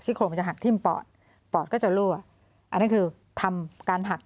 โครงมันจะหักทิ้มปอดปอดก็จะรั่วอันนั้นคือทำการหัก